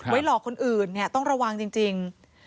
หลอกคนอื่นเนี่ยต้องระวังจริง